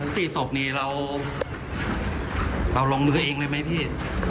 สี่ศพนี่เราเราลงมือเองเลยไหมพี่